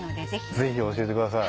ぜひ教えてください。